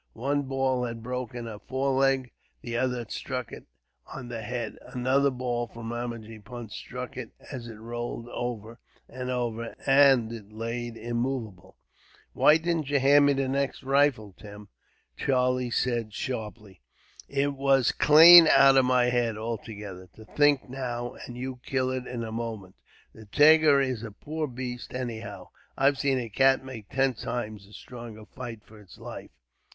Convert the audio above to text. One ball had broken a foreleg, the other had struck it on the head. Another ball from Ramajee Punt struck it, as it rolled over and over, and it lay immovable. "Why didn't you hand me the next rifle, Tim?" Charlie said sharply. "It went clane out of my head, altogether. To think now, and you kilt it in a moment. The tiger is a poor baste, anyhow. I've seen a cat make ten times as strong a fight for its life.